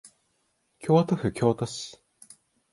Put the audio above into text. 京都府京都市